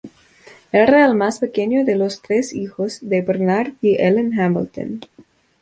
Era el más pequeño de los tres hijos de Bernard y Ellen Hamilton.